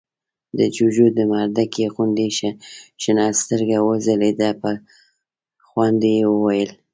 د جُوجُو د مردکۍ غوندې شنه سترګه وځلېده، په خوند يې وويل: